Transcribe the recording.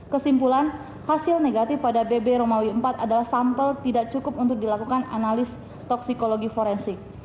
kesimpulan hasil negatif pada bb romawi empat adalah sampel tidak cukup untuk dilakukan analis toksikologi forensik